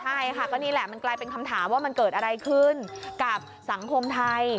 ใช่ค่ะก็นี่แหละมันกลายเป็นคำถามว่ามันเกิดอะไรขึ้นกับสังคมไทย